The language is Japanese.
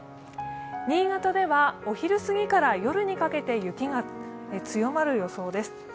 新潟ではお昼すぎから夜にかけて雪が強まる予想です。